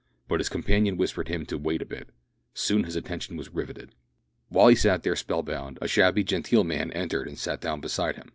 But his companion whispered him to wait a bit. Soon his attention was riveted. While he sat there spell bound, a shabby genteel man entered and sat down beside him.